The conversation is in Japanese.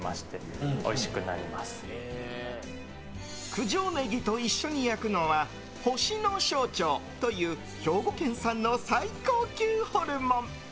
九条ネギと一緒に焼くのはほしの小腸という兵庫県産の最高級ホルモン。